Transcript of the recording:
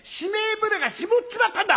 船が沈っちまったんだ！